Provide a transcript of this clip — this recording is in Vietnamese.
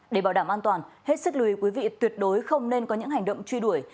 để bảo đảm an toàn hết sức lùi quý vị tuyệt đối không nên có những hành động truy đuổi